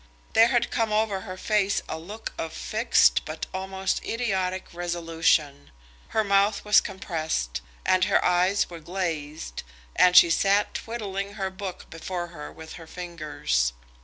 There had come over her face a look of fixed but almost idiotic resolution; her mouth was compressed, and her eyes were glazed, and she sat twiddling her book before her with her fingers.